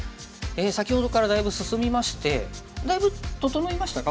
先ほどからだいぶ進みましてだいぶ整いましたか